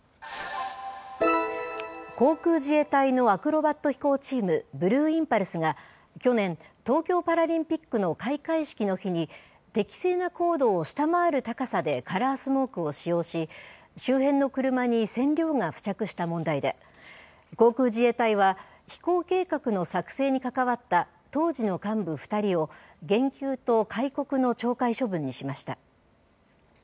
航空自衛隊のアクロバット飛行チーム、ブルーインパルスが去年、東京パラリンピックの開会式の日に、適正な高度を下回る高さでカラースモークを使用し、周辺の車に染料が付着した問題で、航空自衛隊は、飛行計画の作成に関わった当時の幹部２人を、減給と戒告の懲戒処分にしました。